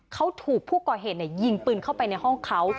เขาถูกผู้ก่อเหตุยิงปืนเข้าไปในห้องเขา